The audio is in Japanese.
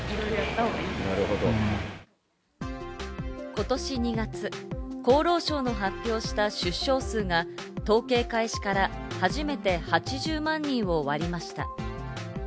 今年２月、厚労省の発表した出生数が統計開始から初めて８０万人を割りました。